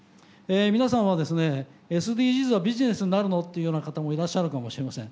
皆さんはですね「ＳＤＧｓはビジネスになるの？」っていうような方もいらっしゃるかもしれません。